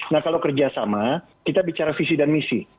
nah kalau kerjasama kita bicara visi dan misi